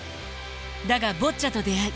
だがボッチャと出会い